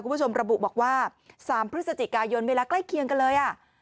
คุณผู้ชมระบุบอกว่า๓พฤศจิกายนเวลาใกล้เคียงกันเลยอ่ะ